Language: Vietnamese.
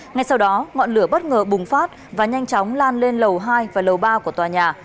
ngay sau đó ngọn lửa bất ngờ bùng phát và nhanh chóng lan lên lầu hai và lầu ba của tòa nhà